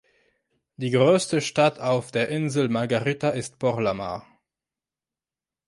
Die größte Stadt auf der Insel Margarita ist Porlamar.